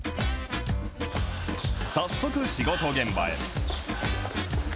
早速、仕事現場へ。